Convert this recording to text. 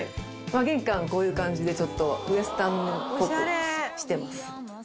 玄関こういう感じでちょっとウエスタンっぽくしてます。